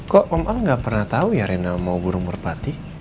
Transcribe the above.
kok om al gak pernah tau ya rina mau burung merpati